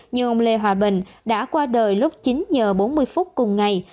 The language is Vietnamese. nhưng ông lê hòa bình đã qua đời lúc chín giờ bốn mươi phút cùng ngày